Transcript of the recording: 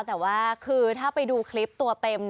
แต่ว่าคือถ้าไปดูคลิปตัวเต็ม